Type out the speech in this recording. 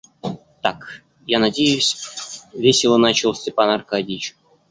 Так я надеюсь... — весело начал Степан Аркадьич.